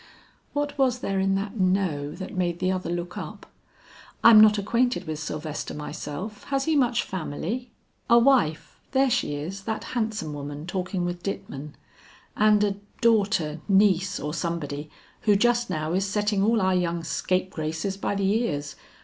What was there in that no that made the other look up? "I'm not acquainted with Sylvester myself. Has he much family?" "A wife there she is, that handsome woman talking with Ditman, and a daughter, niece or somebody who just now is setting all our young scapegraces by the ears.